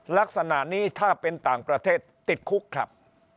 ลักษณะนี้ถ้าเป็นต่างประเทศติดคุกครับ